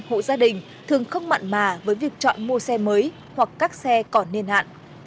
hộ gia đình thường không mặn mà với việc chọn mua xe mới hoặc các xe còn niên hạn